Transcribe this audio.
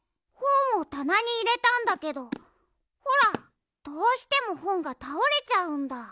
ほんをたなにいれたんだけどほらどうしてもほんがたおれちゃうんだ。